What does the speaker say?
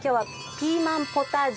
ピーマンポタージュ。